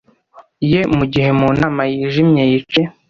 ye mugihe mu nama yijimye yicaye